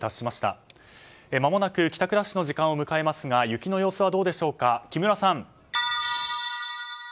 まもなく帰宅ラッシュの時間を迎えますが雪の様子はどうでしょうか木村さん。